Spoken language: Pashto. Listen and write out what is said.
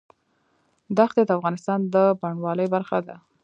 دښتې د افغانستان د بڼوالۍ برخه ده.